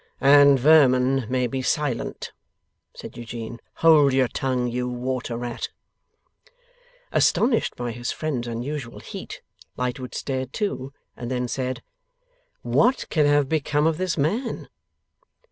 'And vermin may be silent,' said Eugene. 'Hold your tongue, you water rat!' Astonished by his friend's unusual heat, Lightwood stared too, and then said: 'What can have become of this man?